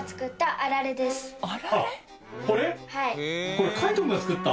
これ翔大君が作った？